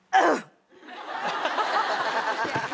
ハハハハ！